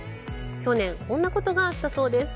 去年、こんなことがあったそうです。